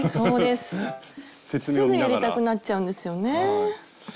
すぐやりたくなっちゃうんですよね。